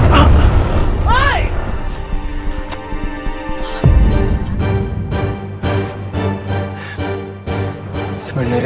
bawa gue beli